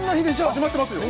始まってますよ